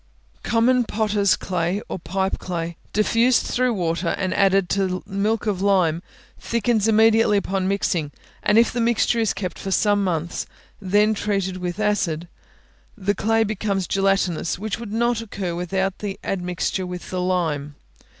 Common potters' clay, or pipe clay, diffused through water, and added to milk of lime, thickens immediately upon mixing; and if the mixture is kept for some months, and then treated with acid, the clay becomes gelatinous, which would not occur without the admixture with the lime.